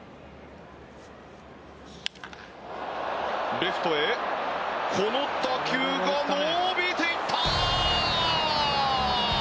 レフトへこの打球が伸びていった！